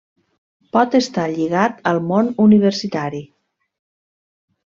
Pot estar lligat al món universitari.